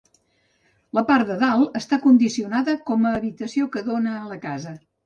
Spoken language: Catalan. La part de dalt, està condicionada com a habitació que dóna a la casa.